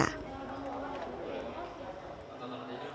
anak anak dari jawa